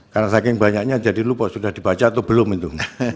karena saking banyaknya jadi lupa sudah dibaca atau belum itu